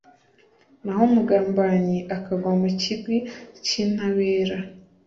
naho umugambanyi akagwa mu kigwi cy’intabera